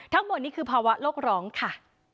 ทั้งหมดนี่คือภาวะโลกร้องค่ะ